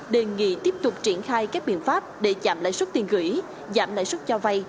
đề nghị tiếp tục triển khai các biện pháp để giảm lãi xuất tiền gửi giảm lãi xuất trao vay